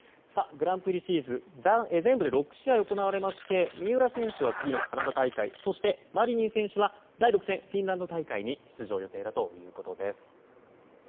グランプリシリーズ全部で６試合行われまして三浦選手は次のカナダ大会マリニン選手は第６戦、フィンランド大会に出場予定だということです。